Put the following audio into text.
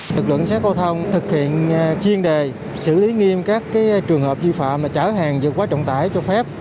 lực lượng xá giao thông thực hiện chuyên đề xử lý nghiêm các trường hợp vi phạm trở hàng và quá trọng tải cho phép